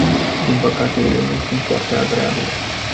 Din păcate, ele nu sunt foarte agreabile.